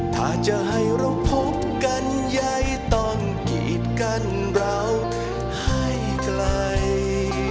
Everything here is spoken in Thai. ถ้าจะให้เราพบกันใยต้องกีดกันเราให้ไกล